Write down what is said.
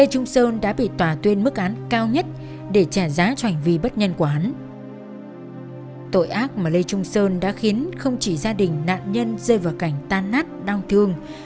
cùng sự tàn tụy với nhiệm vụ